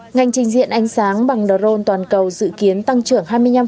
ngành trình diện ánh sáng bằng drone toàn cầu dự kiến tăng trưởng hai mươi năm